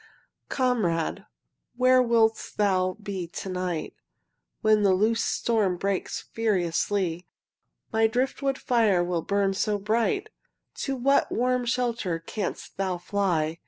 Comrade, where wilt thou be to night When the loosed storm breaks furiously? My driftwood fire will burn so bright! To what warm shelter canst thou fly?